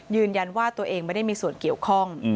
ยืนยันว่าตัวเองไม่ได้มีส่วนเกี่ยวข้อง